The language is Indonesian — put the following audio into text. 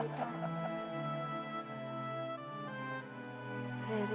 rery mbak senang gak ada di sini